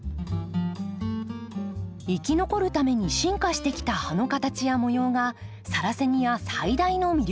生き残るために進化してきた葉の形や模様がサラセニア最大の魅力。